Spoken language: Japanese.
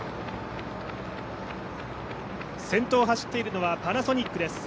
先頭を走っているのはパナソニックです。